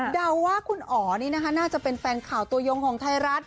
เดาว่าคุณอ๋อนี่นะคะน่าจะเป็นแฟนข่าวตัวยงของไทยรัฐ